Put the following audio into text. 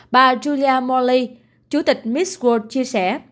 bà julia morley chủ tịch miss world chia sẻ